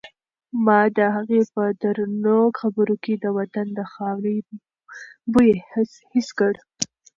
ما د هغې په درنو خبرو کې د وطن د خاورې بوی حس کړ.